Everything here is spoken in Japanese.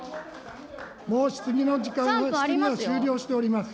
もう質疑の時間は終了しております。